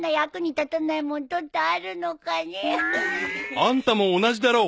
［あんたも同じだろう］